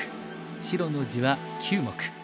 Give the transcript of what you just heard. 白の地は９目。